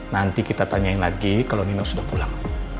nanti kita tanyain lagi kalau nino sudah pulang